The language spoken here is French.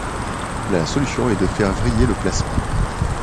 La solution est de faire vriller le plasma.